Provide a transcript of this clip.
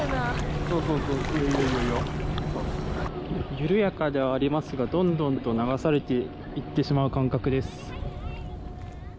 緩やかではありますがどんどんと流されていってしまう感覚です。